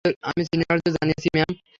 আমি সিনিয়রদের জানিয়েছি, ম্যাম।